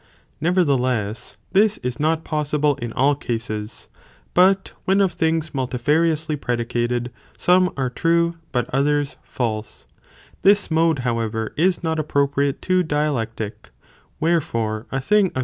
Nevertheless, this is not possible in all cases, but when of thihgs multifari ously predicated, some are true, but others false ;5 this mode however is not appropriate to dialectic, wherefore a thing of